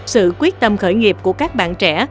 sự quyết tâm khởi nghiệp của các bạn trẻ